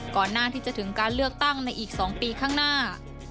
ก่อนหน้าที่จะถึงการเลือกตั้งในอีก๒ปีข้างหน้า